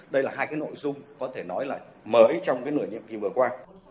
đây là hai nội dung mới trong nửa nhiệm kỳ vừa qua